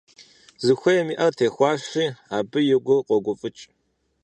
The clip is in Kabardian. Зыхуейм и Ӏэр техуащи, абы и гур къогуфӀыкӀ.